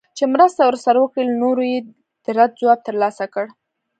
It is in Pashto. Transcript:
چي مرسته ورسره وکړي له نورو یې د رد ځواب ترلاسه کړ